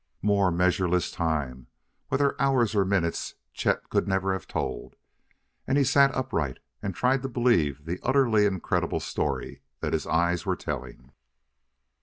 More measureless time whether hours or minutes Chet could never have told and he sat upright and tried to believe the utterly incredible story that his eyes were telling.